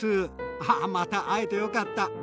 ああまた会えてよかった！